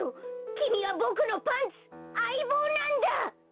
きみはボクのパンツあいぼうなんだ！